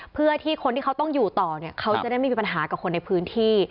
เพื่อที่คนที่เขาต้องอยู่ต่อเนี่ยเขาจะได้ไม่มีปัญหากับคนในพื้นที่